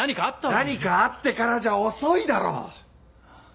何かあってからじゃ遅いだろ！